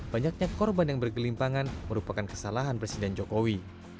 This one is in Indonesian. banyaknya korban yang bergelimpangan merupakan kesalahan presiden jokowi